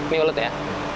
ini ulet ya